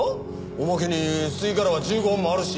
おまけに吸い殻は１５本もあるし。